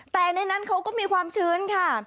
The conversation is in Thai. แต่ในนั้นเขาก็มีความชื้นค่ะ